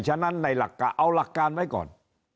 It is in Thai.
ฉะนั้นในหลักการเอาหลักการไว้ก่อน